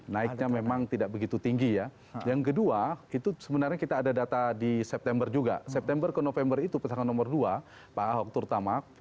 naiknya memang tidak begitu tinggi ya yang kedua itu sebenarnya kita ada data di september juga september ke november itu pasangan nomor dua pak ahok turtamag karena belum ada belum resmi berpasangan itu